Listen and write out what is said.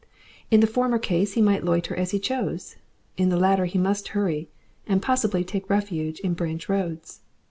In the former case he might loiter as he chose; in the latter he must hurry, and possibly take refuge in branch roads.